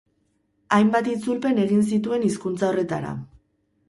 Hainbat itzulpen egin zituen hizkuntza horretara.